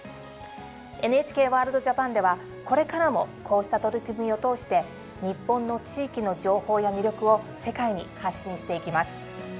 「ＮＨＫワールドＪＡＰＡＮ」ではこれからもこうした取り組みを通して日本の地域の情報や魅力を世界に発信していきます。